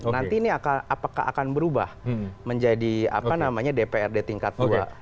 nanti ini apakah akan berubah menjadi dprd tingkat dua